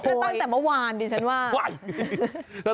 คือตั้งแต่เมื่อวานดิฉันว่า